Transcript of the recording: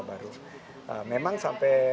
baru memang sampai